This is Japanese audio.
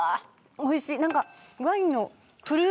おいしい。